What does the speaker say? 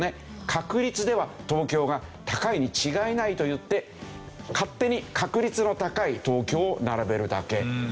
確率では東京が高いに違いないといって勝手に確率の高い東京を並べるだけという。